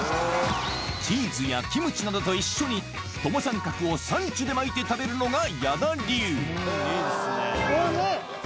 チーズやキムチなどと一緒に友三角をサンチュで巻いて食べるのがおいしい。